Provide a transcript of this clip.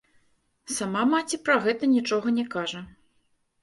Сама маці пра гэта нічога не кажа.